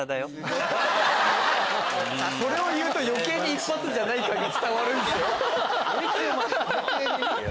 それを言うと余計に一発じゃない感じに伝わる。